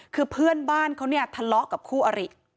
คือเพื่อนบ้านเขาเนี่ยทะเลาะกับคู่อริ